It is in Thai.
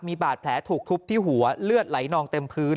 มีบาดแผลถูกทุบที่หัวเลือดไหลนองเต็มพื้น